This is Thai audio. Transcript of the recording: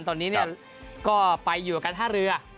ตอนนี้เนี่ยก็ไปอยู่ระกันห้าเรือ